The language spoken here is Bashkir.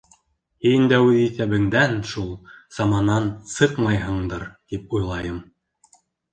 Һин дә үҙ иҫәбеңдән шул саманан сыҡмайһыңдыр, тип уйлайым.